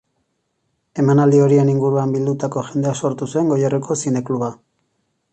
Emanaldi horien inguruan bildutako jendeak sortu zuen Goierriko zine-kluba.